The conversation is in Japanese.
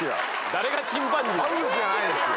誰がチンパンジーや。